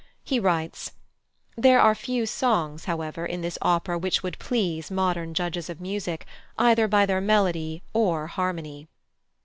He writes: "There are few songs, however, in this opera which would please modern judges of music either by their melody or harmony."